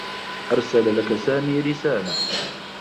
أرسل لك سامي رسالة.